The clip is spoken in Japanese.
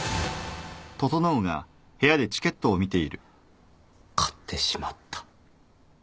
買ってしまった。